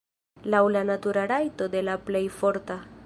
Laŭ la natura rajto de la plej forta.